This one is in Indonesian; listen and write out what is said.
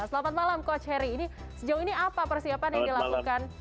selamat malam coach harry ini sejauh ini apa persiapan yang dilakukan